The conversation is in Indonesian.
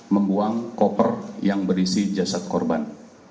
membuang koper yang berisi jasad korban